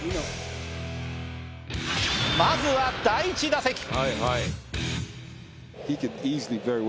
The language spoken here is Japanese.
まずは第１打席。